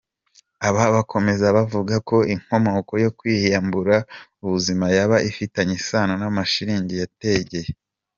Aba bakomeza bavuga ko inkomoko yo kwiyambura ubuzima yaba ifitanye isano n’amashiringi yategeye.